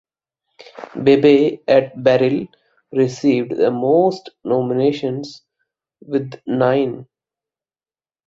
Babae at Baril received the most nominations with nine.